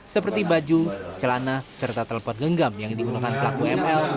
seperti baju celana serta telepon genggam yang digunakan pelaku ml